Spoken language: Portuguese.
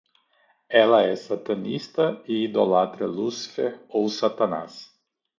Ele é satanista e idolatra Lucifer ou Satanás